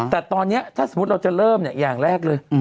แต่ตอนนี้ถ้าสมมุติเราจะเริ่มอย่างแรกเลย